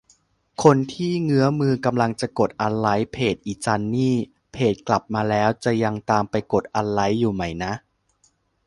คนที่เงื้อมือกำลังจะกดอันไลก์เพจอีจันนี่ เพจกลับมาแล้วจะยังตามไปกดอันไลก์อยู่ไหมนะ